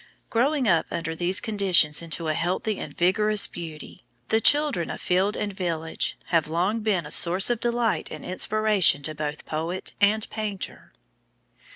Growing up under these conditions into a healthy and vigorous beauty, the children of field and village have long been a source of delight and inspiration to both poet and painter.